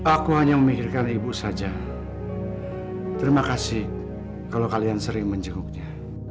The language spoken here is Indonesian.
aku hanya memikirkan ibu saja terima kasih kalau kalian sering menjenguknya